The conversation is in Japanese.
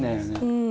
うん。